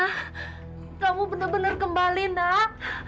hah kamu benar benar kembali nak